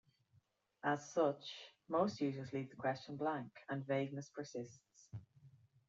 As such, most users leave the question blank, and vagueness persists.